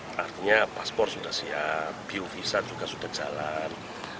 pada siap artinya paspor sudah siap bio visa juga sudah jalan